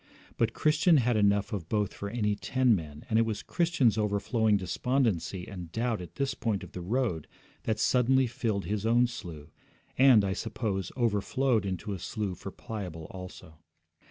But Christian had enough of both for any ten men, and it was Christian's overflowing despondency and doubt at this point of the road that suddenly filled his own slough, and, I suppose, overflowed into a slough for Pliable also.